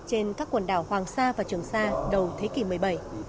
trên các quần đảo hoàng sa và trường sa đầu thế kỷ một mươi bảy